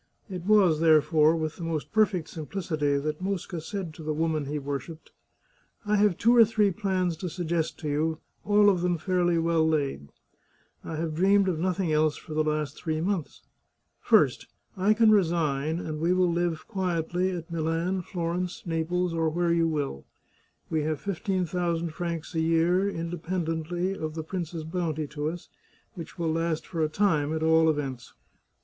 It was, therefore, with the most per fect simplicity that Mosca said to the woman he worshipped :" I have two or three plans to suggest to you, all of them fairly well laid. I have dreamed of nothing else for the last three months. First, I can resign, and we will live quietly at Milan, Florence, Naples, or where you will. We have fifteen thousand francs a year, independently of the prince's bounty to us, which will last for a time, at all events.